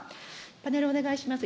パネルお願いします。